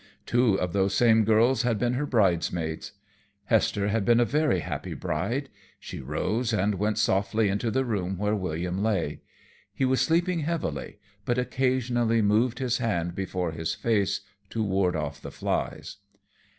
Two of those same girls had been her bridesmaids. Hester had been a very happy bride. She rose and went softly into the room where William lay. He was sleeping heavily, but occasionally moved his hand before his face to ward off the flies.